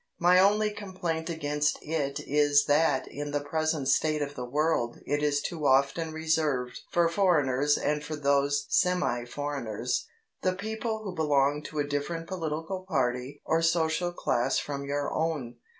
My only complaint against it is that in the present state of the world it is too often reserved for foreigners and for those semi foreigners, the people who belong to a different political party or social class from your own.